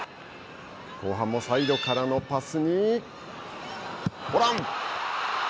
後半もサイドからのパスにホラン。